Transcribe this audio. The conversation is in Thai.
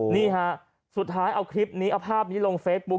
นี่ฮะสุดท้ายเอาคลิปนี้เอาภาพนี้ลงเฟซบุ๊